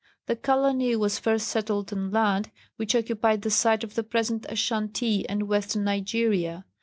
The colony was first settled on land which occupied the site of the present Ashantee and Western Nigeria.